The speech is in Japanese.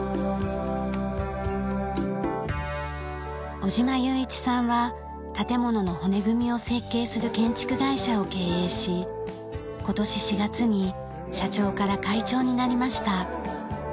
小嶋裕一さんは建物の骨組みを設計する建築会社を経営し今年４月に社長から会長になりました。